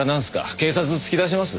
警察突き出します？